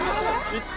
いった。